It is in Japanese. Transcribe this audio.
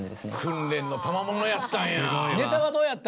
訓練のたまものやったんや。